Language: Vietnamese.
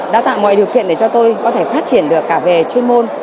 đã tạo mọi điều kiện để cho tôi có thể phát triển được cả về chuyên môn